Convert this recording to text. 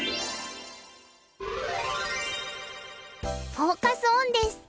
フォーカス・オンです。